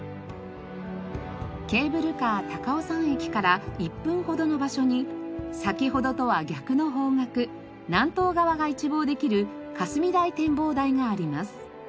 ケーブルカー高尾山駅から１分ほどの場所に先ほどとは逆の方角南東側が一望できる霞台展望台があります。